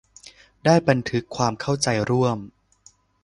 ได้ทำบันทึกความเข้าใจร่วม